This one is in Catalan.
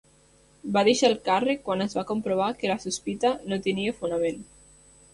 Va deixar el càrrec quan es va comprovar que la sospita no tenia fonament.